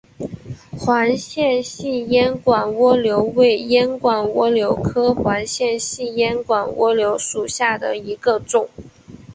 环线细烟管蜗牛为烟管蜗牛科环线细烟管蜗牛属下的一个种。